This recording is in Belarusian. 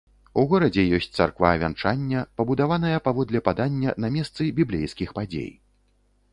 У горадзе ёсць царква вянчання, пабудаваная, паводле падання, на месцы біблейскіх падзей.